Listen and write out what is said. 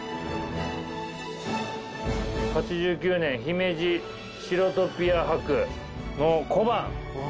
８９年「姫路シロトピア博」の。